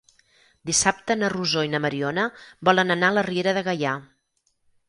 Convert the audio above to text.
Dissabte na Rosó i na Mariona volen anar a la Riera de Gaià.